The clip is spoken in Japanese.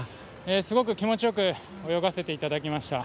すごく気持ちよく泳がせていただきました。